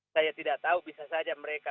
saya tidak tahu bisa saja mereka